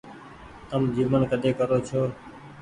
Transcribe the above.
تم جيمڻ ڪۮي ڪرو ڇو۔